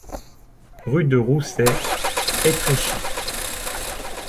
Rue du Roussay, Étréchy